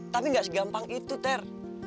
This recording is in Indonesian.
tapi gak segampang itu ter